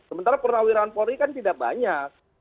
sementara purnawirawan polri kan tidak banyak